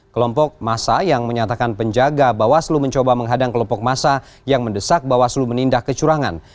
kelompok masa yang menyatakan penjaga bawaslu mencoba menghadang kelompok massa yang mendesak bawaslu menindak kecurangan